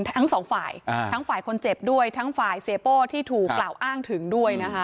ทั้งสองฝ่ายทั้งฝ่ายคนเจ็บด้วยทั้งฝ่ายเสียโป้ที่ถูกกล่าวอ้างถึงด้วยนะคะ